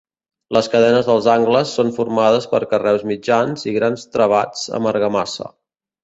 Les cadenes dels angles són formades per carreus mitjans i grans travats amb argamassa.